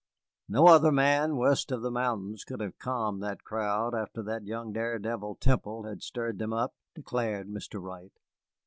"No other man west of the mountains could have calmed that crowd after that young daredevil Temple had stirred them up," declared Mr. Wright.